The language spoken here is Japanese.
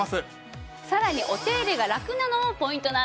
さらにお手入れがラクなのもポイントなんです。